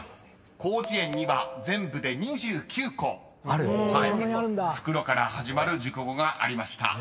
［広辞苑には全部で２９個］ある⁉［「袋」から始まる熟語がありました］